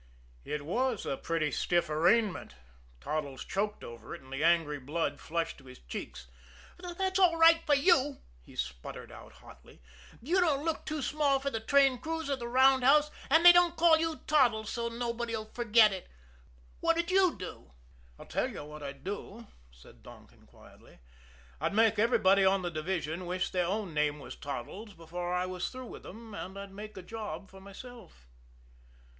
It was a pretty stiff arraignment. Toddles choked over it, and the angry blood flushed to his cheeks. "That's all right for you!" he spluttered out hotly. "You don't look too small for the train crews or the roundhouse, and they don't call you Toddles so's nobody 'll forget it. What'd you do?" "I'll tell you what I'd do," said Donkin quietly. "I'd make everybody on the division wish their own name was Toddles before I was through with them, and I'd make a job for myself."